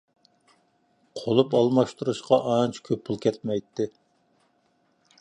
قۇلۇپ ئالماشتۇرۇشقا ئانچە كۆپ پۇل كەتمەيتتى.